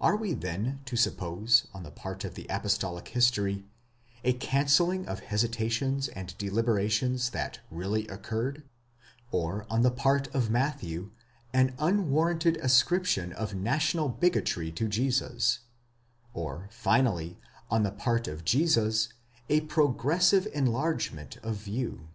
Are we then to suppose on the part of the apostolic history, a cancelling of hesitations and deliberations that really occurred; or on the part of Matthew, an unwarranted ascription of national bigotry to Jesus; or, finally, on the pat of Jesus, a progressive: enlargement of view